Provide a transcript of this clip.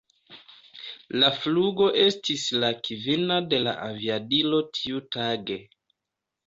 La flugo estis la kvina de la aviadilo tiutage.